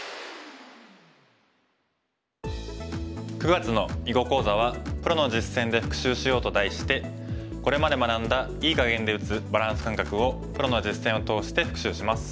９月の囲碁講座は「プロの実戦で復習しよう」と題してこれまで学んだ“いい”かげんで打つバランス感覚をプロの実戦を通して復習します。